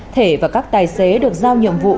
thể và các tài xế được giao nhiệm vụ